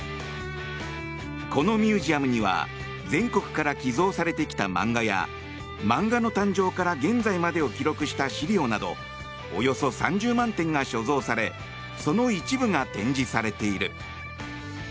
このミュージアムには全国から寄贈されてきた漫画や漫画の誕生から現在までを記録した資料などおよそ３０万点が所蔵されその一部が展示されている。